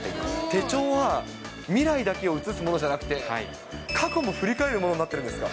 手帳は未来だけを映すものじゃなくて、過去も振り返るものになってるんですか？